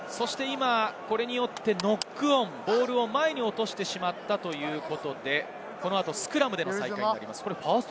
これによってノックオン、ボールを前に落としてしまったということで、この後、スクラムでの再開です。